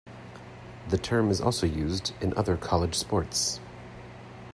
The term is also used in other college sports.